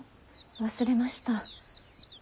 忘れました。